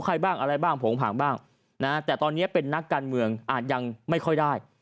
ใครบ้างอะไรบ้างโผงผ่างบ้างนะฮะแต่ตอนนี้เป็นนักการเมืองอาจยังไม่ค่อยได้